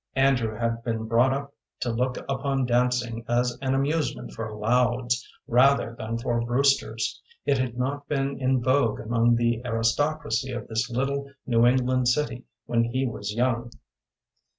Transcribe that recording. Andrew had been brought up to look upon dancing as an amusement for Louds rather than for Brewsters. It had not been in vogue among the aristocracy of this little New England city when he was young.